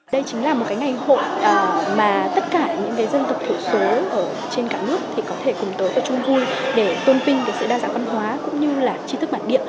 đây chính là một ngày hội mà tất cả những dân tộc thiểu số trên cả nước có thể cùng tôi và chung vui để tôn vinh sự đa dạng văn hóa cũng như là chi thức bản địa